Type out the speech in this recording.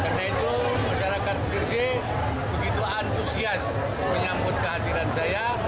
karena itu masyarakat gresik begitu antusias menyambut kehatiran saya